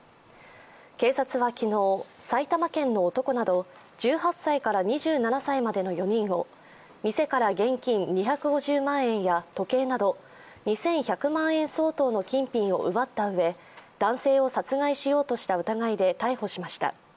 警察は昨日、埼玉県の男など１８歳から２７歳までの４人を店から現金２５０万円や時計など２１００万円相当の金品を奪ったうえ男性を殺害しようとした疑いで逮捕しました。